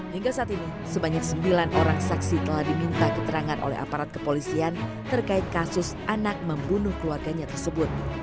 hingga saat ini sebanyak sembilan orang saksi telah diminta keterangan oleh aparat kepolisian terkait kasus anak membunuh keluarganya tersebut